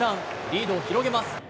リードを広げます。